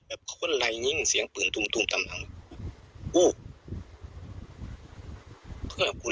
แบบคนไรยิ่งเสียงปืนตุ่มตุ่มต่ำหลังอู้เพื่อนกู